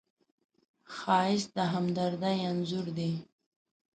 ښایست د همدردۍ انځور دی